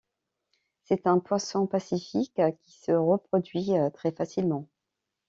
C'est un poisson pacifique qui se reproduit très facilement.